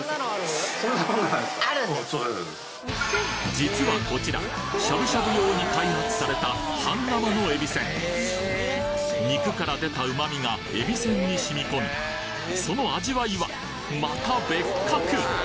実はこちらしゃぶしゃぶ用に開発された半生のえびせん肉から出た旨味がえびせんに染み込みその味わいはまた別格！